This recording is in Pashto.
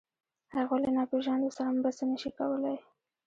هغوی له ناپېژاندو سره مرسته نهشي کولی.